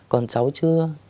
còn cháu chưa